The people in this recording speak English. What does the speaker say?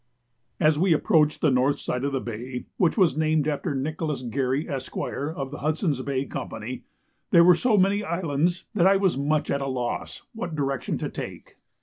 As we approached the north side of the bay, which was named after Nicholas Garry, Esq., of the Hudson's Bay Company, there were so many islands that I was much at a loss what direction to take.